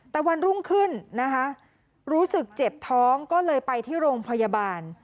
แต่วันรุ่งขึ้นนะคะรู้สึกเจ็บท้องก็เลยไปที่โรงพยาบาล